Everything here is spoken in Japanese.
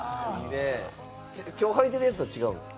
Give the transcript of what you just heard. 今日はいてるやつは違うんですか？